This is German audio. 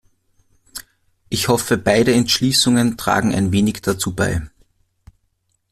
Ich hoffe, beide Entschließungen tragen ein wenig dazu bei.